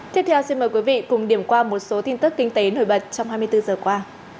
tiếp theo xin mời quý vị cùng điểm qua một số tin tức kinh tế nổi bật trong hai mươi bốn giờ qua